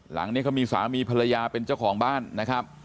หลังนี้เขามีสามีภรรยาเป็นเจ้าของบ้านนะครับ